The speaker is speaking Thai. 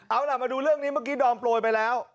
เอาล่ะมาดูเรื่องนี้เมื่อกี้ดอมโปรยไปแล้ว